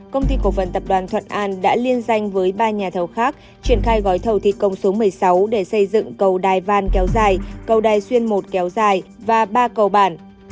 công ty cổ phần tập đoàn thuận an đã liên danh với ba nhà thầu khác triển khai gói thầu thi công số một mươi sáu để xây dựng cầu đài van kéo dài cầu đài xuyên một kéo dài và ba cầu bản